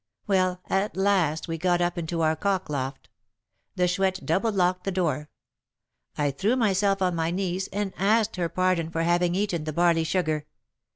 Well, at last we got up into our cock loft; the Chouette double locked the door; I threw myself on my knees, and asked her pardon for having eaten the barley sugar.